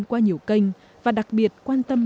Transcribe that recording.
qua nhiều kênh và đặc biệt quan tâm